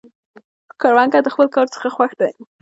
کروندګر د خپل کار څخه خوښ دی